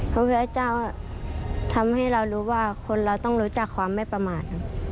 พระพุทธเจ้าทำให้เรารู้ว่าคนเราต้องรู้จักความไม่ประมาท